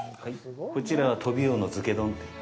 こちらはトビウオの漬け丼。